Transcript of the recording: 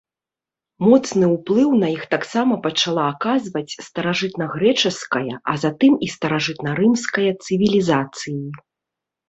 Моцны ўплыў на іх таксама пачала аказваць старажытнагрэчаская, а затым і старажытнарымская цывілізацыі.